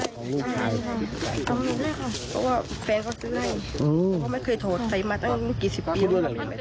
ก็ไม่เคยโทรใส่มาตั้งกี่สิบปีด้วย